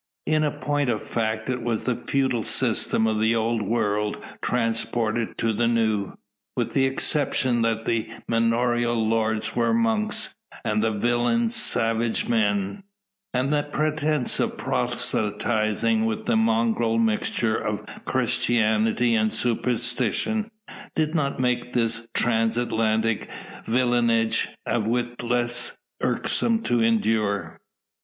In point of fact, it was the feudal system of the Old World transported to the New; with the exception that the manorial lords were monks, and the villeins savage men. And the pretence at proselytising, with its mongrel mixture of Christianity and superstition, did not make this Transatlantic villeinage a whit less irksome to endure.